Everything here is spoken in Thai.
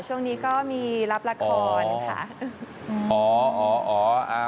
ช่วงนี้ก็มีรับละครค่ะ